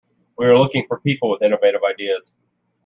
We are looking for people with innovative ideas.